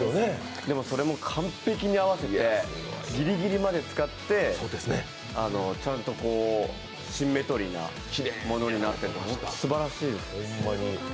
でも、それも完璧に合わせて、ギリギリまで使って、ちゃんとシンメトリーなものになってまして、すばらしいです。